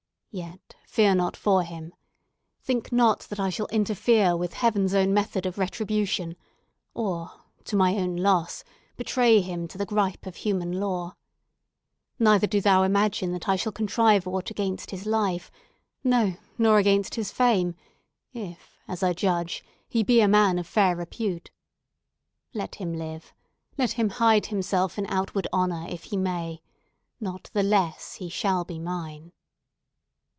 Yet fear not for him! Think not that I shall interfere with Heaven's own method of retribution, or, to my own loss, betray him to the gripe of human law. Neither do thou imagine that I shall contrive aught against his life; no, nor against his fame, if as I judge, he be a man of fair repute. Let him live! Let him hide himself in outward honour, if he may! Not the less he shall be mine!"